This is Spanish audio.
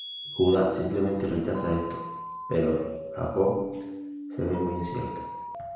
Judá simplemente rechaza esto, pero Jacob se ve muy incierto.